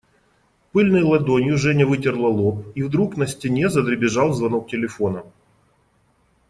Пыльной ладонью Женя вытерла лоб, и вдруг на стене задребезжал звонок телефона.